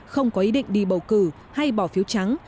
không có ý định đi bầu cử hay bỏ phiếu trắng